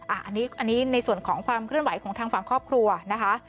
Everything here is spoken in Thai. อันนี้ในส่วนของความเคลื่อนไหวของทางฝั่งครอบครัวนะคะ